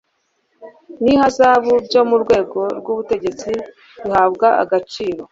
n ihazabu byo mu rwego rw ubutegetsi bihabwa agaciro